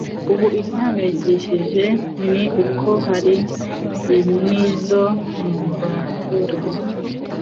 Ubu igihangayikishije ni uko hari nizo mu baturanyi